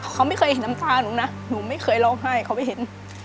เขาไม่เคยเห็นน้ำตาหนูนะหนูไม่เคยร้องไห้เขาไปเห็น